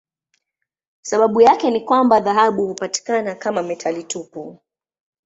Sababu yake ni kwamba dhahabu hupatikana kama metali tupu.